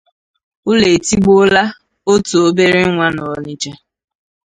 Ụlọ Etigbuola Otu Obere Nwa n'Ọnịtsha